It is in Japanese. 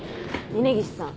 峰岸さん！